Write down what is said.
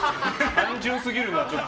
単純すぎるな、ちょっと。